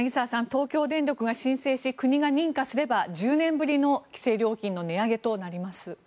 東京電力が申請し国が認可すれば１０年ぶりの規制料金の値上げとなります。